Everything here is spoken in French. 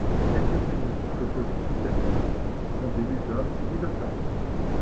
Quelques-unes de ses photos les plus célèbres sont des nus d'hommes et de femmes.